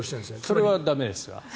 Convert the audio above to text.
それは駄目ですか？